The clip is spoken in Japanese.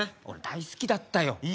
俺大好きだったよ。